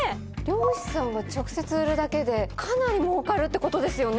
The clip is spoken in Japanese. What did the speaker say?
漁師さんが直接売るだけでかなり儲かるってことですよね！